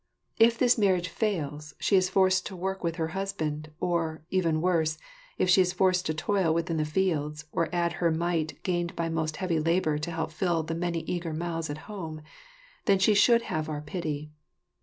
If this marriage fails and she is forced to work within her household, or, even worse, if she is forced to toil within the fields or add her mite gained by most heavy labour to help fill the many eager mouths at home, then she should have our pity.